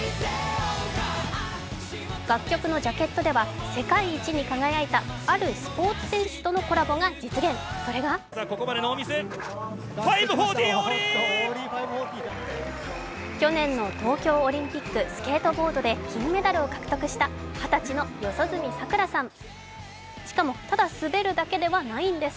楽曲のジャケットでは世界一に輝いたあるスポーツ選手とのコラボが実現、それが去年の東京オリンピック・スケートボードで金メダルを獲得した、二十歳の四十住さくらさん。